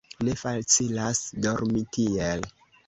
Ne facilas dormi tiel.